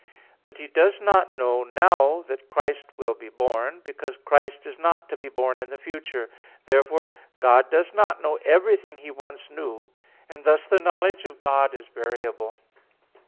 But He does not know now that Christ will be born; because Christ is not to be born in the future. Therefore God does not know everything He once knew; and thus the knowledge of God is variable.